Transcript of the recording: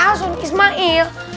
aduh asum ismail